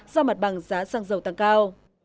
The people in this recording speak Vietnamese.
do mặt bằng giá xăng dầu tăng cao